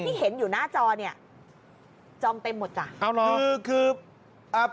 ไอ้ที่เห็นอยู่หน้าจอเนี้ยจองเต็มหมดจ่ะเอาหรอ